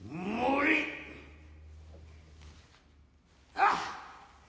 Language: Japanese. あっ。